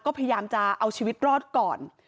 ก็พยายามจะเอาชีวิตรอดก่อน